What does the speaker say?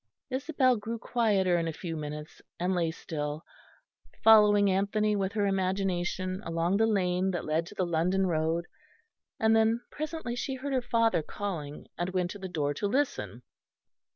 Isabel grew quieter in a few minutes and lay still, following Anthony with her imagination along the lane that led to the London road, and then presently she heard her father calling, and went to the door to listen.